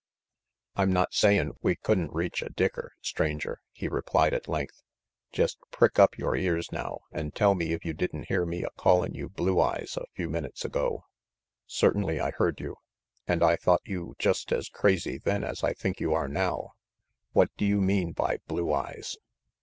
"I'm not sayin' we could'n reach a dicker, Stranger," he replied at length. "Jest prick up yore ears now an' tell me if you didn't hear me a callin' you Blue Eyes a few minutes ago?" "Certainly I heard you, and I thought you just as crazy then as I think you are now. What do you mean by Blue Eyes?"